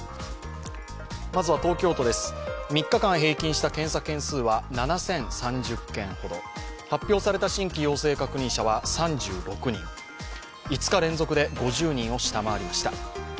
まずは東京都です、３日間平均した検査件数は７０３０件ほど発表された新規陽性確認者は３６人５日連続で５０人を下回りました。